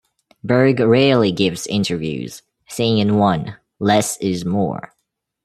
Berg rarely gives interviews, saying in one: less is more.